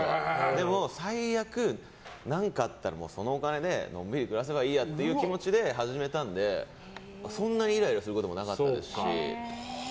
でも最悪何かあったらそのお金でのんびり暮らせばいいやって気持ちで始めたのでそんなにイライラすることもなかったですし。